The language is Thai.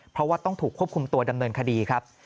เพราะว่าต้องถูกควบคุมตัวดำเนินคดีครับ